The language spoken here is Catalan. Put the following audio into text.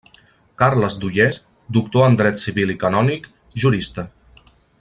Carles d'Ollers, doctor en dret civil i canònic; jurista.